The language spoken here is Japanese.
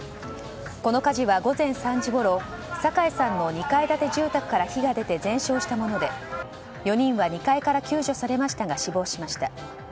この火事は午前３時ごろ酒井さんの２階建て住宅から火が出て全焼したもので４人は２階から救助されましたが死亡しました。